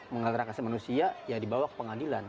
melanggar akasih manusia ya dibawa ke pengadilan